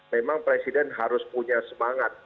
memang presiden harus punya semangat